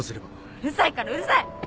うるさいからうるさい！